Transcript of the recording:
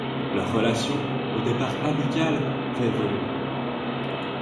Leur relation, au départ amicale, va évoluer.